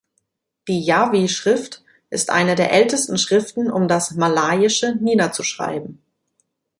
Die Jawi-Schrift ist eine der ältesten Schriften um das Malaiische niederzuschreiben.